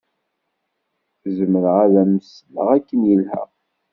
Zemreɣ ad am-sleɣ akken yelha.